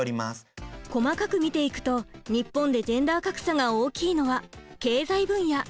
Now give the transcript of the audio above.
細かく見ていくと日本でジェンダー格差が大きいのは経済分野。